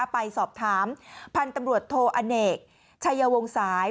ไปสอบถามพันธุ์ตำรวจโทอเนกชัยวงศาย